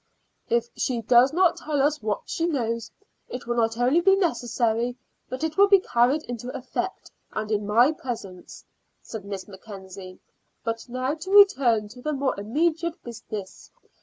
"If she does not tell us what she knows, it will be not only necessary, but it will be carried into effect, and in my presence," said Miss Mackenzie. "But now to return to the more immediate business.